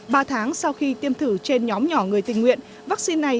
ba tháng sau khi tiêm thử trên nhóm nhỏ người tình nguyện vaccine này